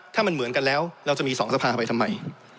ถ้ามันเหมือนกันแล้วเราจะมี๒สภาไปทำไม